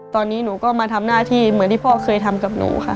ตอนนี้หนูก็มาทำหน้าที่เหมือนที่พ่อเคยทำกับหนูค่ะ